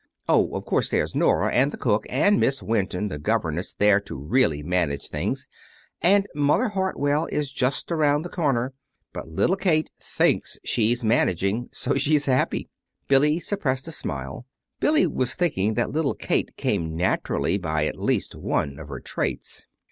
Oh, of course there's Nora, and the cook, and Miss Winton, the governess, there to really manage things, and Mother Hartwell is just around the corner; but little Kate thinks she's managing, so she's happy." Billy suppressed a smile. Billy was thinking that little Kate came naturally by at least one of her traits.